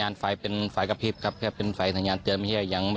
น้องก็เจ็บทุกคนครับ